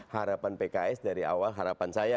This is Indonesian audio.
harapan pks dari awal harapan saya